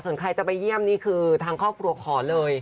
ส่วนใครจะไปเยี่ยมนี่คือทางครอบครัวขอเลย